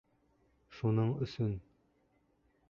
Шуның өсөн!